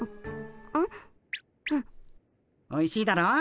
おいしいだろう？